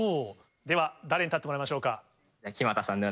では誰に立ってもらいましょうか？